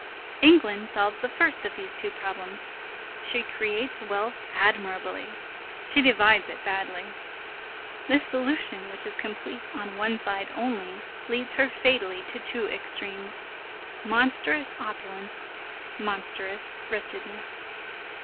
England solves the first of these two problems. She creates wealth admirably, she divides it badly. This solution which is complete on one side only leads her fatally to two extremes: monstrous opulence, monstrous wretchedness.